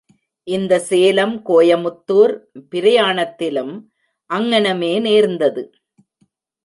இந்த சேலம் கோயமுத்தூர் பிராயணத்திலும் அங்ஙனமே நேர்ந்தது.